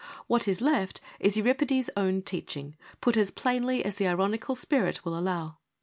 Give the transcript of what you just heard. What is left is Euripides' own teaching, put as plainly as the ironical spirit will allow.